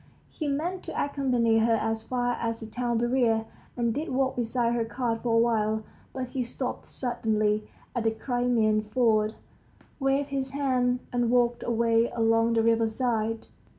He meant to accompany her as far as the town barrier, and did walk beside her cart for a while, but he stopped suddenly at the Crimean ford, waved his hand, and walked away along the riverside.